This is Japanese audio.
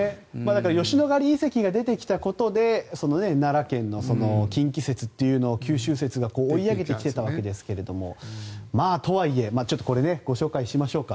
吉野ヶ里遺跡が出てきたことで奈良県の近畿説っていうのを九州説が追い上げてきていたわけですがとはいえ、ちょっとこれご紹介しましょうか。